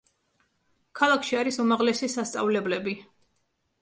ქალაქში არის უმაღლესი სასწავლებლები.